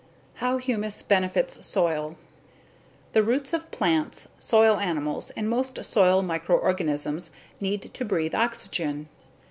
How Humus Benefits Soil The roots of plants, soil animals, and most soil microorganisms need to breathe oxygen.